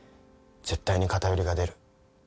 絶対に偏りが出る。